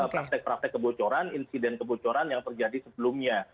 praktek praktek kebocoran insiden kebocoran yang terjadi sebelumnya